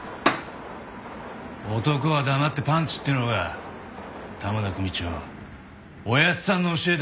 男は黙ってパンチっていうのが玉田組長おやっさんの教えだ。